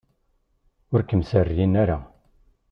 Ur kem-serrin ara.